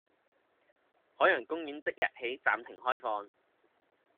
海洋公園即日起暫停開放